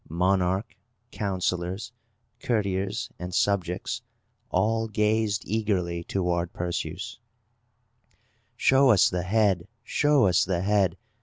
Monarch, counsellors, courtiers, and subjects, all gazed eagerly toward Perseus. "Show us the head! Show us the head!"